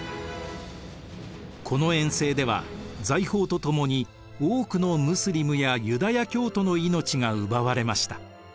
この遠征では財宝とともに多くのムスリムやユダヤ教徒の命が奪われました。